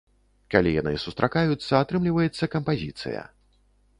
Калі яны сустракаюцца, атрымліваецца кампазіцыя.